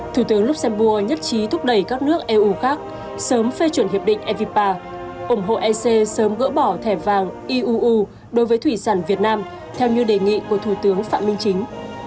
thủ tướng luxembourg nhất trí thúc đẩy các nước eu khác sớm phê chuẩn hiệp định evipa ủng hộ ec sớm gỡ bỏ thẻ vàng iuu đối với thủy sản việt nam theo như đề nghị của thủ tướng phạm minh chính